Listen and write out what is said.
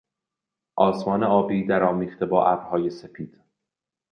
آسمان آبی درآمیخته با ابرهای سپید